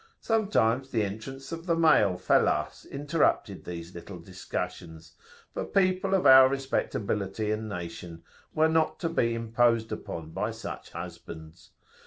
Sometimes the entrance of the male Fellahs[FN#19] interrupted these little discussions, but people of our respectability and nation were not to be imposed upon by such husbands.